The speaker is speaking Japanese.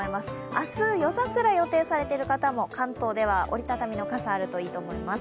明日、夜桜予定されている方も関東では折りたたみの傘があるといいと思います。